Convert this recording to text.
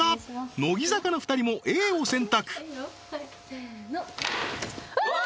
乃木坂の２人もＡを選択せーのああー！